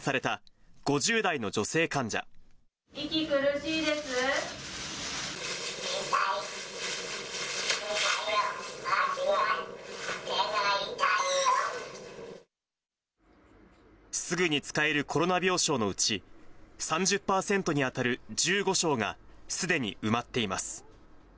痛い、すぐに使えるコロナ病床のうち、３０％に当たる１５床がすでに埋まっています。